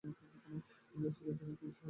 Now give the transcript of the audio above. আমি ভেবেছিলাম তোমার কিছু সাহায্য দরকার।